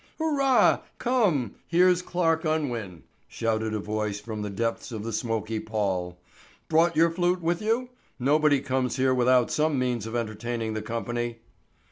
"Hurrah! Come! Here's Clarke Unwin!" shouted a voice from the depths of the smoky pall. "Brought your flute with you? Nobody comes here without some means of entertaining the company."